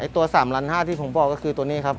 ตัว๓๕๐๐บาทที่ผมบอกก็คือตัวนี้ครับ